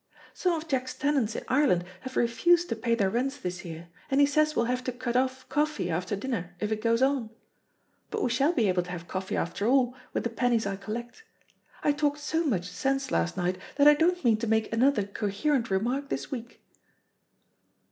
Some of Jack's tenants in Ireland have refused to pay their rents this year, and he says we'll have to cut off coffee after dinner if it goes on. But we shall be able to have coffee after all with the pennies I collect. I talked so much sense last night that I don't mean to make another coherent remark this week."